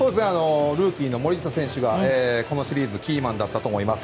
ルーキーの森下選手がこのシリーズ、キーマンだったと思います。